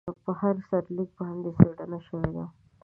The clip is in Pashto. په هر سرلیک باندې څېړنه شوې ده.